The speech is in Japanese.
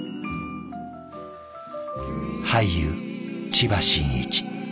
俳優千葉真一。